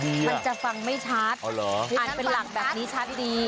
มันจะฟังไม่ชัดอ๋อเหรออ่านเป็นหลักแบบนี้ชัดดี